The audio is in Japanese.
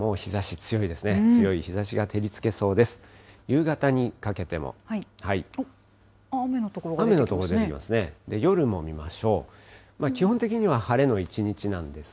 強い日ざしが照りつけそうです。